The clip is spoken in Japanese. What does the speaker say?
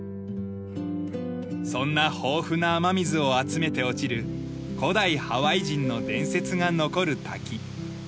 そんな豊富な雨水を集めて落ちる古代ハワイ人の伝説が残る滝。